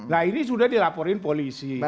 nah ini sudah dilaporin polisi